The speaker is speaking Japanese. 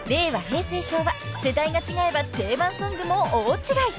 平成昭和世代が違えば定番ソングも大違い］